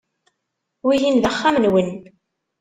Wihin d axxam-nwen.